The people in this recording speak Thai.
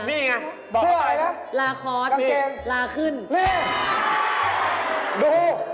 นี่ไงบอกไหมลาคอร์สมีลาขึ้นนี่